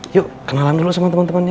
yuk kenalan dulu sama temen temennya